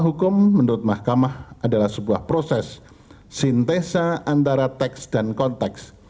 hukum menurut mahkamah adalah sebuah proses sintesa antara teks dan konteks